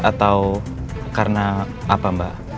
atau karena apa mbak